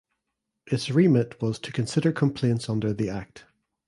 Its remit was to consider complaints under the Act.